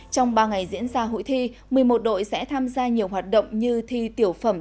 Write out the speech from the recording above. trong ba ngày diễn ra hội thi một mươi một đội sẽ tham gia nhiều hoạt động như thi tiểu phẩm